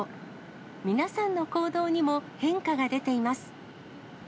皆さんの行動にも変化が出ています。